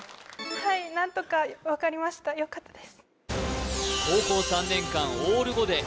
はい何とか分かりましたよかったです